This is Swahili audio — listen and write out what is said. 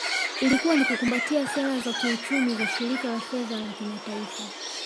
Ilikuwa ni kukumbatia sera za kiuchumi za Shirika la Fedha la Kimataifa